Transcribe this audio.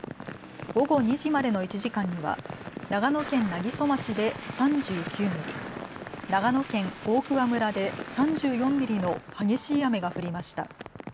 午後２時までの１時間には長野県南木曽町で３９ミリ、長野県大桑村で３４ミリの激しい雨が降りました。